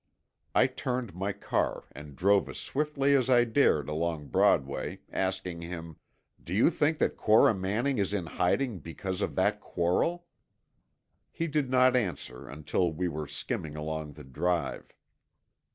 I turned my car, and drove as swiftly as I dared along Broadway, asking him, "Do you think that Cora Manning is in hiding because of that quarrel?" He did not answer until we were skimming along the Drive.